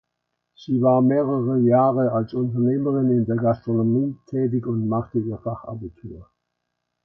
Sie war mehrere Jahre als Unternehmerin in der Gastronomie tätig und machte ihr Fachabitur.